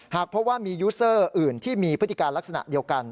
หากพบว่ามียูเซอร์อื่นที่มีพฤติการลักษณะเดียวกัน